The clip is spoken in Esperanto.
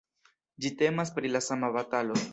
Ĝi temas pri la sama batalo.